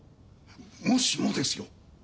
もしもですよ